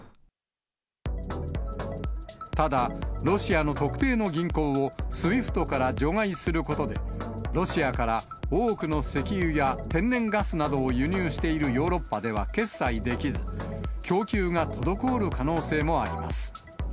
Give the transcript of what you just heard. ただ、ロシアの特定の銀行をＳＷＩＦＴから除外することで、ロシアから多くの石油や天然ガスなどを輸入しているヨーロッパでは決済できず、供給が滞る可能性もあります。